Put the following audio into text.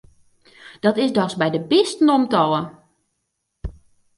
Dat is dochs by de bisten om't ôf!